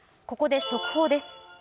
ここで速報です。